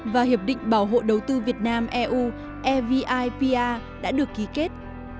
và hiệp định bảo hộ đầu tư việt nam eu evipa đã được ký kết